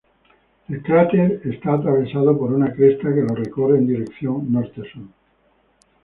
El cráter es atravesado por una cresta que lo recorre en dirección norte-sur.